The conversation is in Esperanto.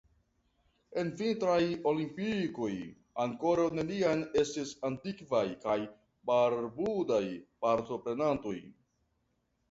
En vintraj olimpikoj ankoraŭ neniam estis antigvaj kaj barbudaj partoprenantoj.